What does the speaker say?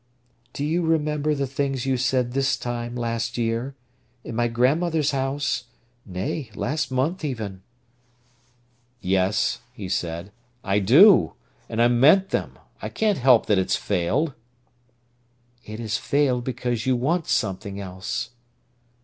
"Do you remember the things you said this time last year, in my grandmother's house—nay last month even?" "Yes," he said; "I do! And I meant them! I can't help that it's failed." "It has failed because you want something else."